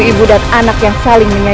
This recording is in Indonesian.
ibu nang akan selamatkan ibu